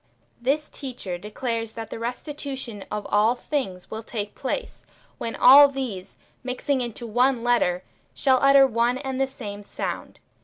This teacher declares that the restitution of all things will take place, when all these, mixing into one letter, shall utter one and the same sound.